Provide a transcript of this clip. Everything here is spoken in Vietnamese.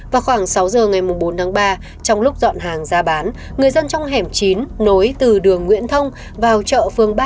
vào khoảng sáu giờ ngày bốn tháng ba trong lúc dọn hàng ra bán người dân trong hẻm chín nối từ đường nguyễn thông vào chợ phương ba